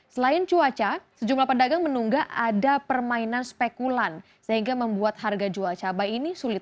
selain cuaca sejumlah pedagang menunggak ada permainan spekulan sehingga membuat harga jual cabai ini sulit